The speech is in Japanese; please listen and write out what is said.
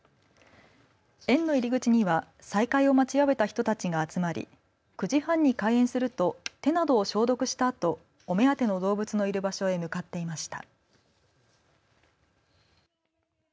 園の入り口には再開を待ちわびた人たちが集まり９時半に開園すると手などを消毒したあとお目当ての動物のいる場所へ向かっていました。